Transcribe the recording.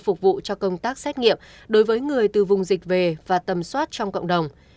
phục vụ cho công tác xét nghiệm đối với người từ vùng dịch về và tầm soát trong cộng đồng